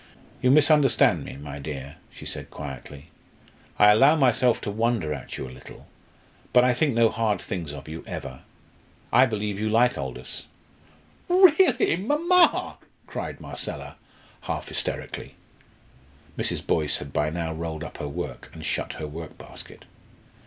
"You misunderstand me, my dear," she said quietly. "I allow myself to wonder at you a little, but I think no hard things of you ever. I believe you like Aldous." "Really, mamma!" cried Marcella, half hysterically. Mrs. Boyce had by now rolled up her work and shut her workbasket.